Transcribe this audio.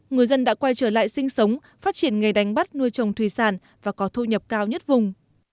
người dân đã quay trở lại sinh sống phát triển nghề đánh bắt nuôi trồng thủy sản và có thu nhập cao nhất vùng